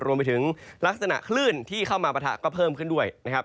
รวมไปถึงลักษณะคลื่นที่เข้ามาปะทะก็เพิ่มขึ้นด้วยนะครับ